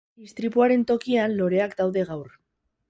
Istripuaren tokian loreak daude gaur.